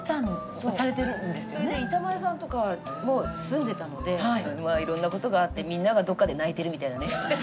それで板前さんとかも住んでたのでいろんなことがあってみんながどっかで泣いてるみたいなね。